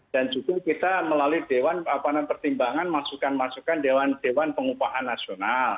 dan juga kita melalui dewan pertimbangan masukan masukan dewan dewan pengupahan nasional